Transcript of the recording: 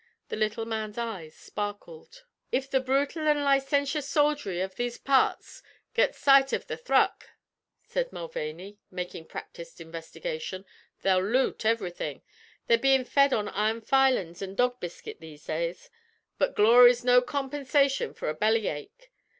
The little man's eyes sparkled. "If the brutil an' licentious soldiery av these parts gets sight av the thruck," said Mulvaney, making practiced investigation, "they'll loot ev'rything. They're bein' fed on iron filin's an' dog biscuit these days, but glory's no compensation for a bellyache.